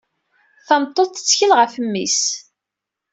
Tameṭṭut tettkel ɣef mmi-s.